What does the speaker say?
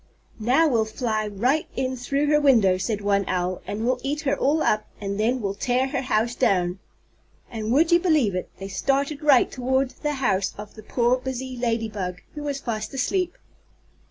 "Now, we'll fly right in through her window," said one owl, "and we'll eat her all up, and then we'll tear her house down." And, would you believe it, they started right toward the house of the poor busy lady bug, who was fast asleep.